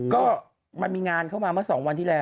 ก็มันมีงานเข้ามามาสองวันที่แรก